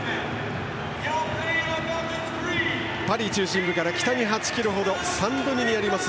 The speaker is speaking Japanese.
パリ中心部から北に８ｋｍ程サンドニにあります